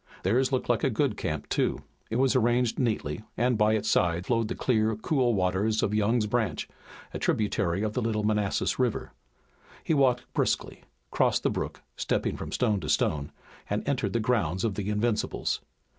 Theirs looked like a good camp, too. It was arranged neatly, and by its side flowed the clear, cool waters of Young's Branch, a tributary of the little Manassas River. He walked briskly, crossed the brook, stepping from stone to stone, and entered the grounds of the Invincibles.